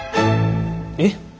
えっ。